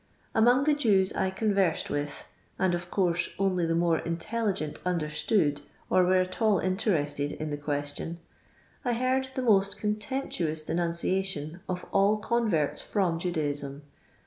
Among the Jews I conversed witb— and of course only the more intelligent nndentood, or were at all intereated in, the question — ^I heard the most contemptuona denunciation of aU eoiiTe|tf from Judaism.